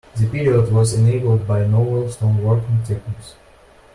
The period was enabled by novel stone working techniques.